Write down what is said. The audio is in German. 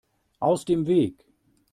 Aus dem Weg!